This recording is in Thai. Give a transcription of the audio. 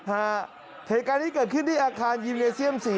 เหตุการณ์นี้เกิดขึ้นที่อาคารยิมเลเซียม๔